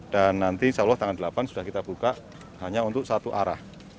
dan nanti insya allah tanggal delapan sudah kita buka hanya untuk satu arah